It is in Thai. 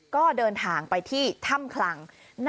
ก็เดินทางไปที่ถ้ำคลัง